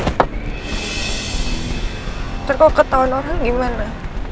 ntar kalo ketahuan orang gimana